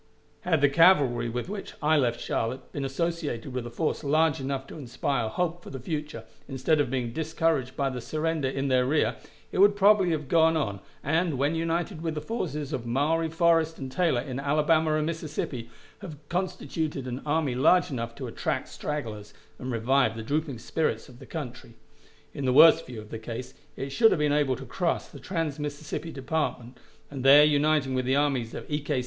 Had the cavalry with which I left Charlotte been associated with a force large enough to inspire hope for the future, instead of being discouraged by the surrender in their rear, it would probably have gone on, and, when united with the forces of Maury, Forrest, and Taylor, in Alabama and Mississippi, have constituted an army large enough to attract stragglers, and revive the drooping spirits of the country. In the worst view of the case it should have been able to cross the trans Mississippi Department, and there uniting with the armies of E. K.